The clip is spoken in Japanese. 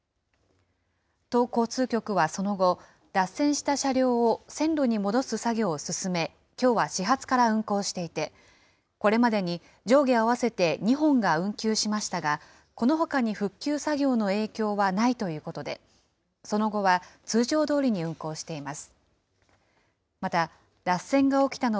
都交通局はその後、脱線した車両を線路に戻す作業を進め、きょうは始発から運行していて、これまでに上下合わせて２本が運休しましたが、このほかに復旧作業の影響はないということで、その後は通常どおりに運行しています。